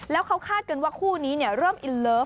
แล้วเขาคาดกันว่าคู่นี้เริ่มอินเลิฟ